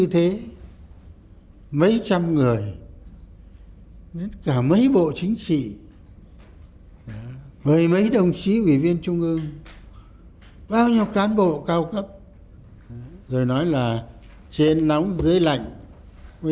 theo đúng tiến độ các công việc đã đẩy ra